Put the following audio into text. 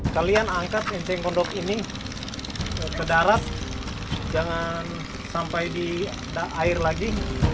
kalian angkat kondok ini ke darat jangan sampai ada air lagi